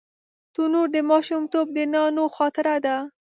تنور د ماشومتوب د نانو خاطره ده